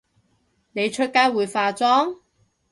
你出街會化妝？